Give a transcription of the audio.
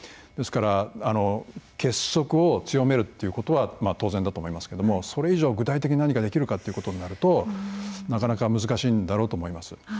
ですから結束を強めるということはまあ当然だと思いますけどもそれ以上具体的に何かできるかということになるとなかなか難しいんだろうと思います。